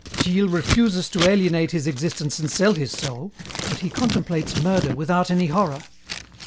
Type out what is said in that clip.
"Gilles refuses to alienate his existence and sell his soul, but he contemplates murder without any horror.